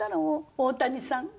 大谷さん